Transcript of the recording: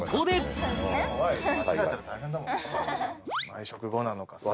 毎食後なのかさ。